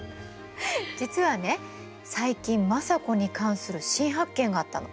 実はね最近政子に関する新発見があったの。